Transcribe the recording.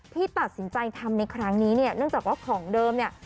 ที่ตัดสินใจทำในครั้งนี้เนี่ยเนื่องจากว่าของเดิมเนี่ย